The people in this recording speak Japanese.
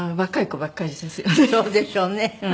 そうでしょうね。